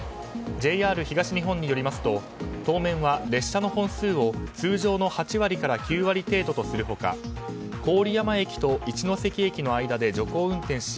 ＪＲ東日本によりますと当面は列車の本数を通常の８割から９割程度とする他郡山駅と一ノ関駅の間で徐行運転し